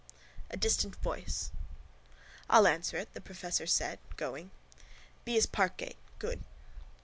A DISTANT VOICE —I'll answer it, the professor said, going. —B is parkgate. Good.